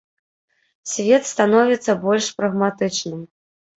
Свет становіцца больш прагматычным.